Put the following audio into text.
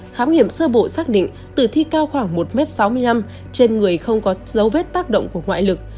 khám nghiệm sơ bộ xác định tử thi cao khoảng một m sáu mươi năm trên người không có dấu vết tác động của ngoại lực